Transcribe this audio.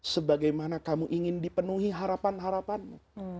sebagaimana kamu ingin dipenuhi harapan harapanmu